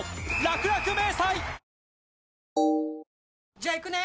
じゃあ行くね！